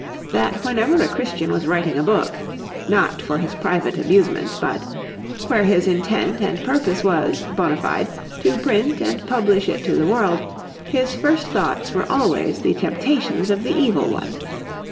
_ that whenever a Christian was writing a book (not for his private amusement, but) where his intent and purpose was, bonâ fide, to print and publish it to the world, his first thoughts were always the temptations of the evil one.